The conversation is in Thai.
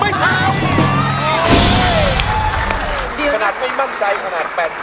เฮ้ยเฮ้ยดีกว่าอะไรหว่าไม่มั่นใจขนาด๘๐เปอร์เซ็นต์